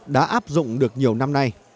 đã áp dụng được nhiều năm nay